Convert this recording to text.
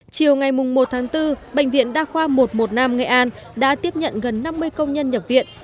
chiều ngày một tháng bốn bệnh viện đa khoa một trăm một mươi năm nghệ an đã tiếp nhận gần năm mươi công nhân nhập viện